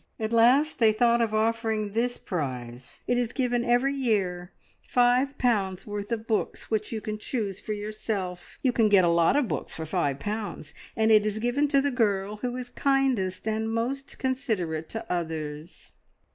At last they thought of offering this prize it is given every year five pounds' worth of books, which you can choose for yourself. You can get a lot of books for five pounds, and it is given to the girl who is kindest and most considerate to others.